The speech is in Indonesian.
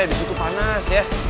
disitu panas ya